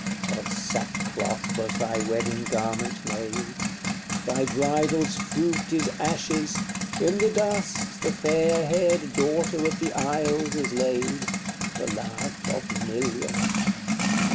CLXX. Of sackcloth was thy wedding garment made: Thy bridal's fruit is ashes; in the dust The fair haired Daughter of the Isles is laid, The love of millions!